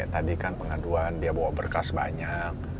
tadi kan pengaduan dia bawa berkas banyak